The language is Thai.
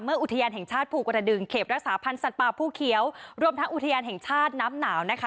อุทยานแห่งชาติภูกระดึงเขตรักษาพันธ์สัตว์ป่าภูเขียวรวมทั้งอุทยานแห่งชาติน้ำหนาวนะคะ